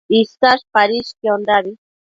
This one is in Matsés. Isash padishquiondabi